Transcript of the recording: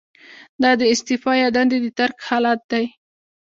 دا د استعفا یا دندې د ترک حالت دی.